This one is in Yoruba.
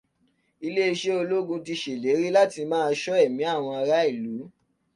Iléeṣé ológun ti ṣèlérí láti máa ṣọ́ ẹ̀mí àwọn ará ìlú.